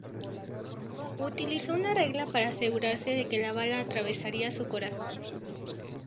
Utilizó una regla para asegurarse de que la bala atravesaría su corazón.